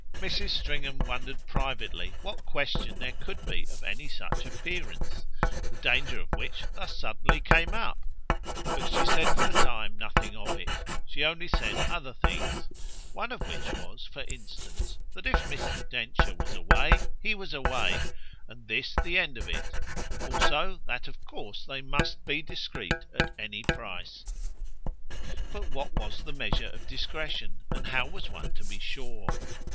Mrs. Stringham wondered privately what question there could be of any such appearance the danger of which thus suddenly came up; but she said for the time nothing of it she only said other things: one of which was, for instance, that if Mr. Densher was away he was away, and this the end of it: also that of course they must be discreet at any price. But what was the measure of discretion, and how was one to be sure?